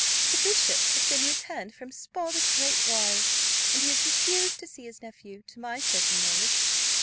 "The bishop has been returned from Spa this great while, and he has refused to see his nephew, to my certain knowledge.